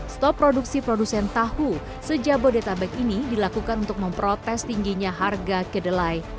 stop produksi produsen tahu sejak bodetabek ini dilakukan untuk memprotes tingginya harga kedelai